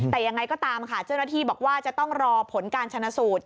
แต่ยังไงก็ตามค่ะเจ้าหน้าที่บอกว่าจะต้องรอผลการชนะสูตร